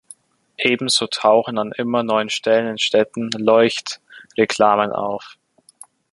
Ebenso tauchen an immer neuen Stellen in Städten Leuchtreklamen auf.